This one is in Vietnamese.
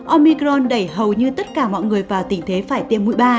omicron đẩy hầu như tất cả mọi người vào tình thế phải tiêm mũi ba